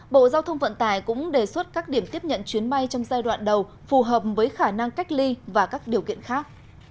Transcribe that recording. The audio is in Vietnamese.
bộ giao thông vận tải cũng đề xuất các điểm tiếp nhận chuyến bay trong giai đoạn đầu phù hợp với khả năng cách ly và các điều kiện khác